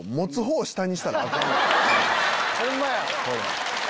ホンマや！